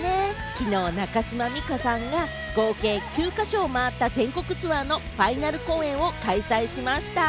きのう、中島美嘉さんが合計９か所を回った全国ツアーのファイナル公演を開催しました。